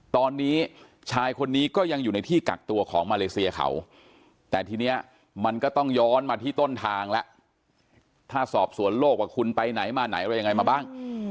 ตอนนี้ชายคนนี้ก็ยังอยู่ในที่กักตัวของมาเลเซียเขาแต่ทีนี้มันก็ต้องย้อนมาที่ต้นทางแล้วถ้าสอบสวนโลกว่าคุณไปไหนมาไหนอะไรยังไงมาบ้าง